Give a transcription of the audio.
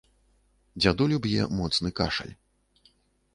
Дзядулю б'е моцны кашаль.